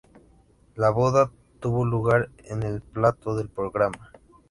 La boda tuvo lugar en el plató del programa.